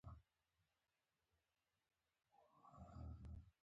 د استقلال په جګړې یو ساعت وقف نه کړ.